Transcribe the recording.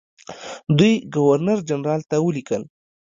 دوی ګورنرجنرال ته ولیکل.